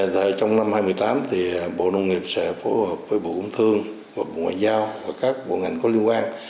trong năm hai nghìn một mươi tám thì bộ nông nghiệp sẽ phối hợp với bộ công thương và bộ ngoại giao và các bộ ngành có liên quan